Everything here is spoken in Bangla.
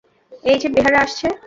ঐ-যে বেহারা আসছে!